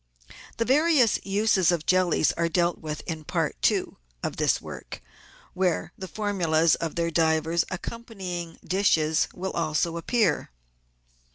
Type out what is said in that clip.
The various uses of jellies are dealt with in Part II. of this work, where the formulas of their divers accompanying dishes will also appear.